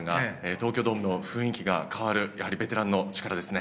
東京ドームの雰囲気が変わるベテランの力ですね。